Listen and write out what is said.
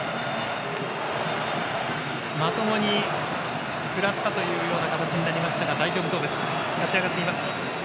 まともに食らったというような形になりましたが大丈夫そうです立ち上がっています。